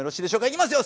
いきますよ。